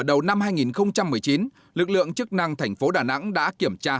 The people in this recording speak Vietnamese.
đầu năm hai nghìn một mươi chín lực lượng chức năng thành phố đà nẵng đã kiểm tra